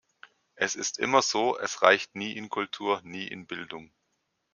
Es ist immer so, es reicht nie in Kultur, nie in Bildung.